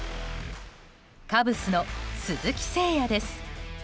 カブスの鈴木誠也です。